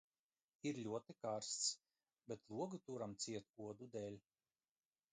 Ir ļoti karsts, bet logu turam ciet odu dēļ.